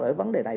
ở vấn đề này